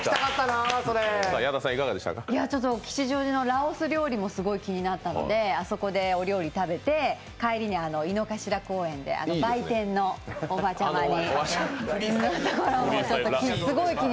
吉祥寺のラオス料理もすごい気になったのであそこでお料理食べて帰りに井の頭公園で売店のおばちゃまのところに。